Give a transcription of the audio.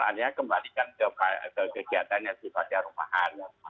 hanya kembalikan ke kegiatan yang sifatnya rumahan